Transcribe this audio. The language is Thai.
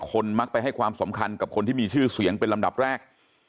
มักไปให้ความสำคัญกับคนที่มีชื่อเสียงเป็นลำดับแรก